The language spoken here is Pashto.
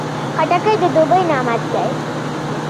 خټکی د دوبی نعمت دی.